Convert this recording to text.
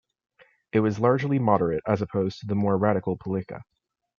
It was largely moderate, as opposed to the more radical Palika.